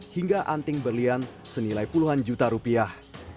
hingga anting berlian senilai puluhan juta rupiah